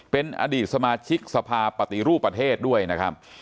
เป็นอดีตสมาชิกสภาปฏิรูปประเทศด้วยนะครับ